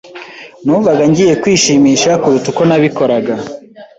numvaga ngiye kwishimisha kuruta uko nabikoraga